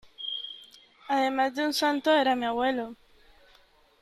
además de un santo , era mi abuelo .